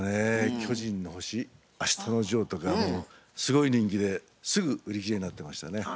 「巨人の星」「あしたのジョー」とかはもうすごい人気ですぐ売り切れになってましたね。